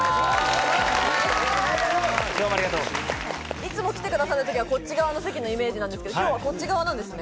いつも来てくださる時はこちら側の席のイメージなんですが、今日はこっち側なんですね。